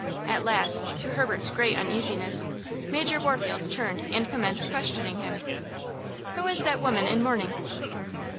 At last, to Herbert's great uneasiness, Major Warfield turned and commenced questioning him: "Who is that woman in mourning?"